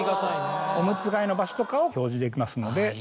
おむつ替えの場所とかを表示できますので。